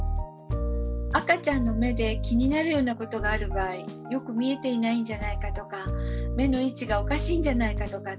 赤ちゃんの目で気になるようなことがある場合よく見えていないんじゃないかとか目の位置がおかしいんじゃないかとか